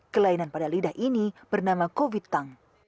kelainan pada lidah ini bernama covid tank